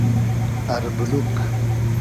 اربولوگ